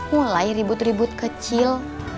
mulai ribut ribut kecil